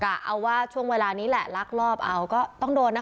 เอาว่าช่วงเวลานี้แหละลักลอบเอาก็ต้องโดนนะคะ